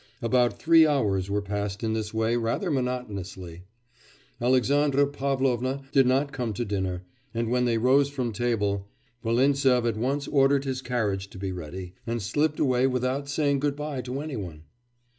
About three hours were passed in this way rather monotonously. Alexandra Pavlovna did not come to dinner, and when they rose from table Volintsev at once ordered his carriage to be ready, and slipped away without saying good bye to any one.